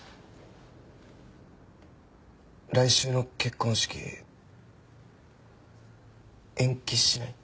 来週の結婚式延期しない？